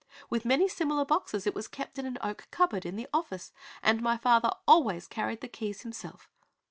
With many similar boxes it was kept in the oak cupboard at the office, and my father always carried the keys himself.